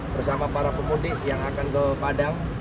bersama para pemudik yang akan ke padang